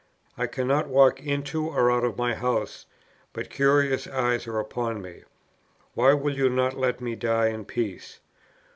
I cannot walk into or out of my house, but curious eyes are upon me. Why will you not let me die in peace?